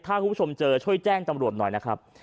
ถ้าคุณผู้ชมเจอช่วยแจ้งตำรวจหน่อยนะครับ